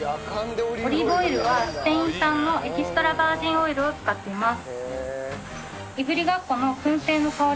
オリーブオイルはスペイン産のエキストラバージンオイルを使っています。